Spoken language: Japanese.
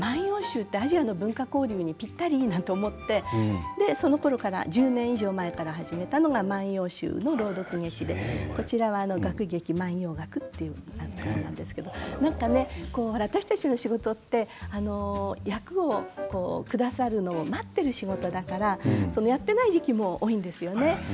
最近、平城遷都１３００年祭をきっかけに「万葉集」はアジアの文化交流にぴったりだなと思って１０年以上前から始めたのが「万葉集」の朗読劇楽劇万葉学というんですけれども私たちの仕事って役をくださるのを待っている仕事だからやっていない時期も多いんですよね。